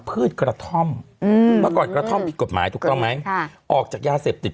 พืชกระท่อมอืมเมื่อก่อนกระท่อมผิดกฎหมายถูกต้องไหมค่ะออกจากยาเสพติด